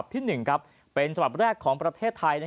เป็นชบแรกของประเทศไทย